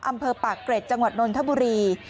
อำเภอป่าเกร็จจนนทบุรี